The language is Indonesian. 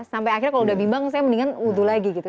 sampai akhirnya kalau udah bimbang saya mendingan wudhu lagi gitu